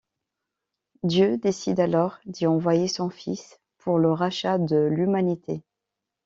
Dieu décide alors d'y envoyer son fils pour le rachat de l'humanité.